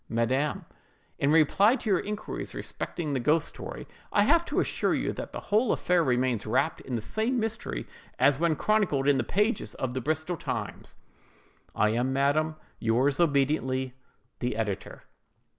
"MADAM: In reply to your inquiries respecting the ghost story, I have to assure you that the whole affair remains wrapped in the same mystery as when chronicled in the pages of the Bristol Times. "I am, madam, yours obediently, "THE EDITOR."